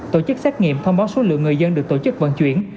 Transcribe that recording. tổ chức xét nghiệm thông báo số lượng người dân được tổ chức vận chuyển